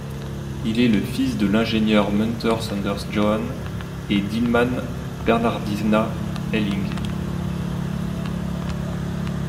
Il est le fils de l'ingénieur Munters Anders Johan et d'Hilman Bernhardina Helling.